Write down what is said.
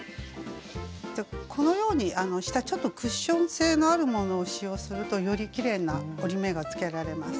このように下ちょっとクッション性のあるものを使用するとよりきれいな折り目がつけられます。